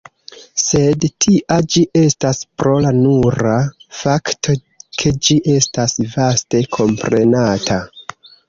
Sed tia ĝi estas pro la nura fakto ke ĝi estas vaste komprenata.